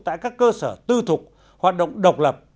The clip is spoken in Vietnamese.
tại các cơ sở tư thục hoạt động độc lập